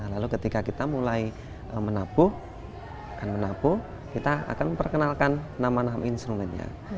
lalu ketika kita mulai menapu kita akan memperkenalkan nama nama instrumennya